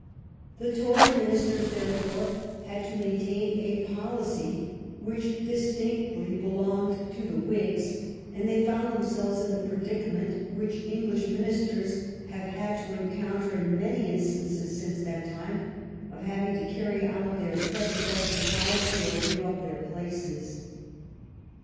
The Tory ministers, therefore, had to maintain a policy which distinctly belonged to the Whigs, and they found themselves in the predicament which English ministers have had to encounter in many instances since that time, of having to carry out their predecessors' policy or give up their places.